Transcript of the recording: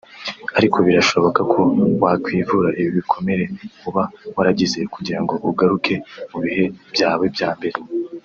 " Ariko birashoboka ko wakwivura ibi bikomere uba waragize kugirango ugaruke mu bihe byawe bya mbere